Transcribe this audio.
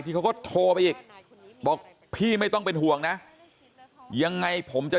เขาก็โทรไปอีกบอกพี่ไม่ต้องเป็นห่วงนะยังไงผมจะ